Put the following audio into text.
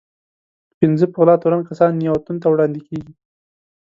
پنځه په غلا تورن کسان نياوتون ته وړاندې کېږي.